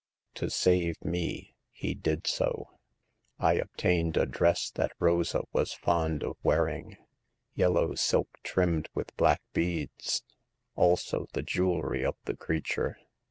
To save me, he did so. I obtained a dress that Rosa was fond of wearing — ^yellow silk trimmed with black beads ; also the jewelry of the creature.